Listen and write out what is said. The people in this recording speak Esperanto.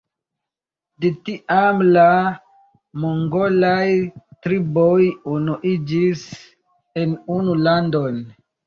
De tiam la mongolaj triboj unuiĝis en unu landon.